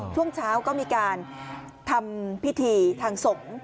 ช่วงเช้าก็มีการทำพิธีทางสงฆ์